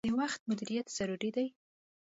د وخت مدیریت ضروری دي.